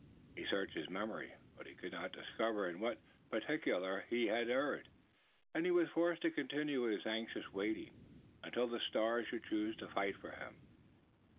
He searched his memory, but he could not discover in what particular he had erred, and he was forced to continue his anxious waiting, until the stars should choose to fight for him.